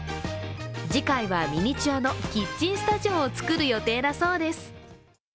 次回は、ミニチュアのキッチンスタジオを作る予定だそうです。